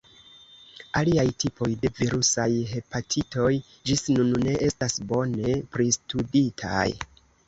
Aliaj tipoj de virusaj hepatitoj ĝis nun ne estas bone pristuditaj.